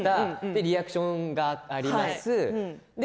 リアクションがあります